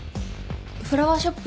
フラワーショップ